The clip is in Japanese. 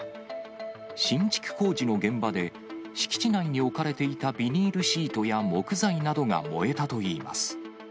新築工事の現場で、敷地内に置かれていたビニールシートや、木材などが燃えたといいます。